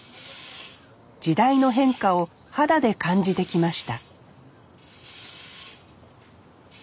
時代の変化を肌で感じてきました